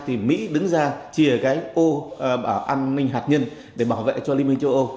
thì mỹ đứng ra chia cái ô bảo an ninh hạt nhân để bảo vệ cho liên minh châu âu